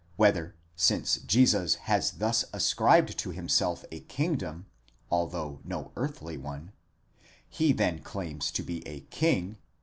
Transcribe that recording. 67E whether, since Jesus has thus ascribed to himself a kingdom, although no earthly one, he then claims to be a king?